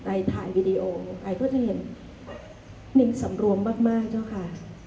ไอ้ถ่ายวิดีโอไอ้ก็จะเห็นนิ่งสำรวมมากมากเจ้าค่ะ